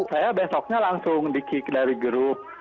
saya besoknya langsung di kick dari grup